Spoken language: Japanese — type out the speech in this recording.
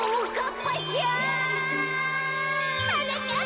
はなかっ